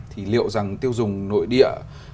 thì liệu rằng tiêu dùng nội địa